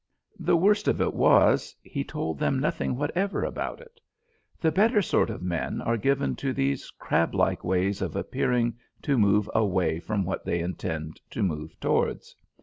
The worst of it was, he told them nothing whatever about it. The better sort of men are given to these crablike ways of appearing to move away from what they intend to move towards.